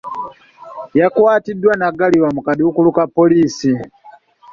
Yakwatiddwa n'aggalirwa mu kaduukulu ka poliisi.